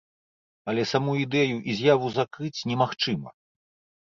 Але саму ідэю і з'яву закрыць немагчыма.